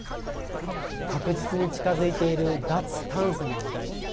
確実に近づいている脱炭素の時代。